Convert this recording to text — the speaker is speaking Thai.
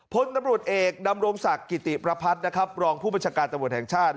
พลตำรวจเอกดำรงศักดิ์กิติประพัฒน์นะครับรองผู้บัญชาการตำรวจแห่งชาติ